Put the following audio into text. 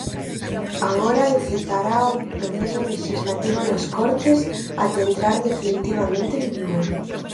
Agora encetará o proceso lexislativo nas Cortes até entrar definitivamente en vigor.